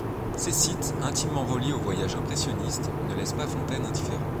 Ces sites, intimement reliés au voyage impressionniste, ne laissent pas Fontayne indifférent.